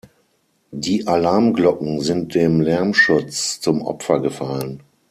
Die Alarmglocken sind dem Lärmschutz zum Opfer gefallen.